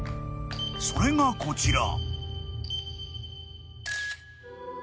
［それがこちら］